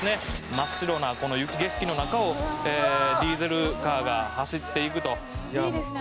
「真っ白なこの雪景色の中をディーゼルカーが走っていくと」いいですね。